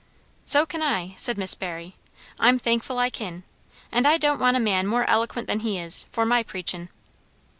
"So kin I," said Miss Barry. "I'm thankful I kin. And I don't want a man more eloquent than he is, for my preachin'."